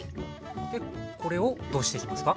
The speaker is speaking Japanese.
でこれをどうしていきますか？